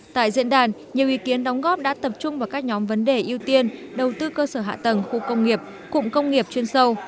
tại diễn đàn nhiều ý kiến đóng góp đã tập trung vào các nhóm vấn đề ưu tiên đầu tư cơ sở hạ tầng khu công nghiệp cụm công nghiệp chuyên sâu